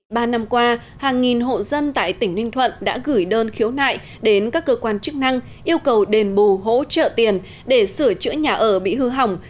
ba năm qua hàng nghìn hộ dân tại tỉnh ninh thuận đã gửi đơn khiếu nại đến các cơ quan chức năng yêu cầu đền bù hỗ trợ tiền để sửa chữa nhà ở bị hư hỏng